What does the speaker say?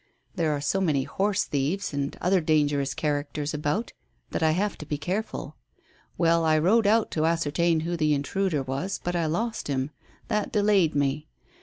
There are so many horse thieves and other dangerous characters about that I have to be careful. Well, I rode out to ascertain who the intruder was, but I lost him. That delayed me.